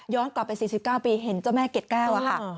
กลับไป๔๙ปีเห็นเจ้าแม่เกดแก้วอะค่ะ